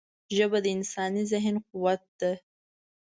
ژبه د انساني ذهن قوت ده